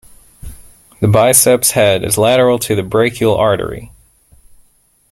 The biceps head is lateral to the brachial artery.